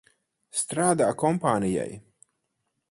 Strādā kompānijai.